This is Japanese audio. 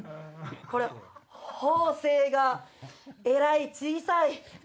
これ方正がえらい小さい。